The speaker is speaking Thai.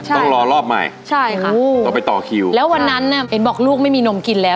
ต้องรอรอบใหม่ใช่ค่ะต้องไปต่อคิวแล้ววันนั้นน่ะเห็นบอกลูกไม่มีนมกินแล้ว